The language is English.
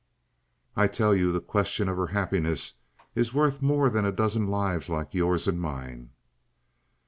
"I tell you the question of her happiness is worth more than a dozen lives like yours and mine."